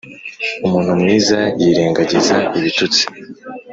umuntu mwiza yirengagiza ibitutsi